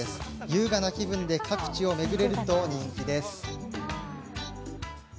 優雅な気分で各地を巡れると人気です。